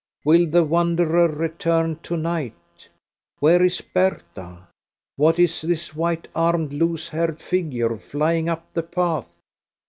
Will the wanderer return to night? Where is Bertha? What is this white armed, loose haired figure, flying up the path?